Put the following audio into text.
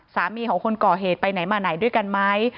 สามีของคนก่อเหตุไปไหนมาไหนด้วยกันไหม